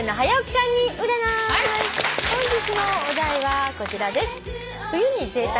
本日のお題はこちらです。